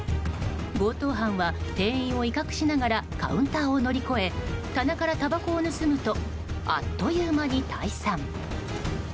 強盗犯は、店員を威嚇しながらカウンターを乗り越え棚からたばこを盗むとあっという間に退散。